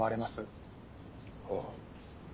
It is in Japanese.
ああ。